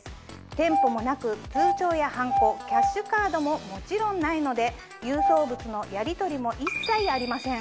店舗もなく通帳やハンコキャッシュカードももちろんないので郵送物のやりとりも一切ありません。